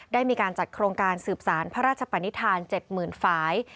ได้มีการจัดโครงการสืบสารพระราชปนิษฐาน๗๐๐ฝ่าย